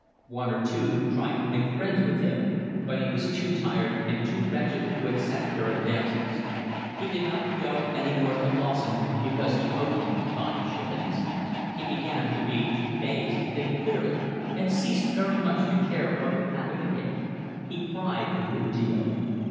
One or two tried to make friends with him, but he was too tired and too wretched to accept their advances. He did not go any more to Lawson, because he owed him five shillings. He began to be too dazed to think clearly and ceased very much to care what would happen to him. He cried a good deal.